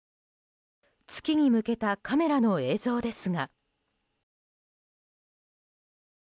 月に向けたカメラの映像ですが。